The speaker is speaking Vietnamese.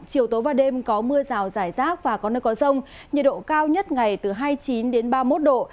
chiều tối và đêm có mưa rào rải rác và có nơi có rông nhiệt độ cao nhất ngày từ hai mươi chín đến ba mươi một độ